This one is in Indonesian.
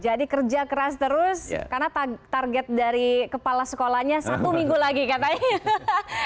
jadi kerja keras terus karena target dari kepala sekolahnya satu minggu lagi katanya